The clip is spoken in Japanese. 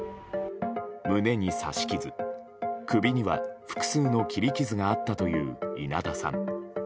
胸に刺し傷、首には複数の切り傷があったという稲田さん。